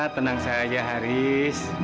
tenang saja haris